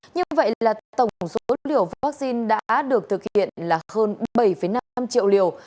như vậy là tổng số liều vaccine đã được thực hiện là hơn bảy năm triệu liều